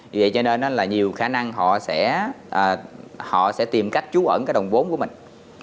vì vậy cho nên đó là nhiều khả năng họ sẽ tìm cách trú ẩn cái đồng bốn của mình